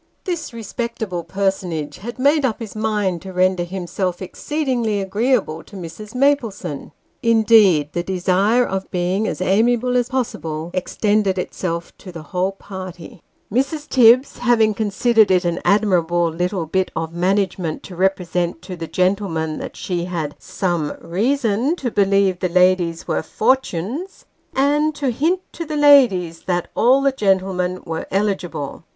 This respectable personage had made up his mind to render himself exceedingly agreeable to Mrs. Maplesone indeed, the desire of being as amiable as possible extended itself to the whole party ; Mrs. Tibbs having considered it an admirable little bit of management to represent to the gentlemen that she had some reason to believe the ladies were fortunes, and to hint to the ladies, that all the gentlemen were " eligible."